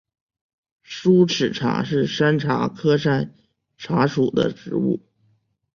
疏齿茶是山茶科山茶属的植物。